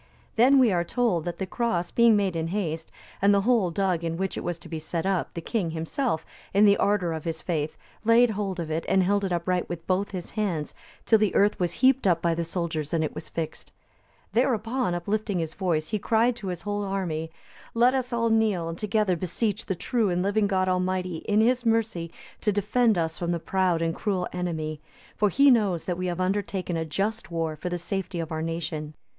Then, we are told, that the cross being made in haste, and the hole dug in which it was to be set up, the king himself, in the ardour of his faith, laid hold of it and held it upright with both his hands, till the earth was heaped up by the soldiers and it was fixed. Thereupon, uplifting his voice, he cried to his whole army, "Let us all kneel, and together beseech the true and living God Almighty in His mercy to defend us from the proud and cruel enemy; for He knows that we have undertaken a just war for the safety of our nation."